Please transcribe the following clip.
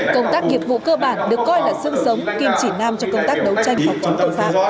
công tác nghiệp vụ cơ bản được coi là sức sống kim chỉ nam cho công tác đấu tranh hoặc công tác tội phạm